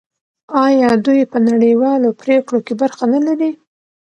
آیا دوی په نړیوالو پریکړو کې برخه نلري؟